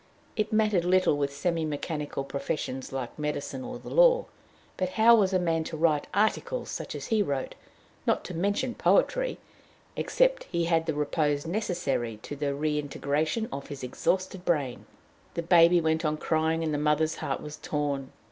It mattered little with semi mechanical professions like medicine or the law, but how was a man to write articles such as he wrote, not to mention poetry, except he had the repose necessary to the redintegration of his exhausted brain? The baby went on crying, and the mother's heart was torn.